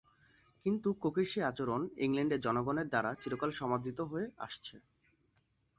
কিন্তু কোকের সেই আচরণ ইংল্যান্ডের জনগণের দ্বারা চিরকাল সমাদৃত হয়ে আসছে।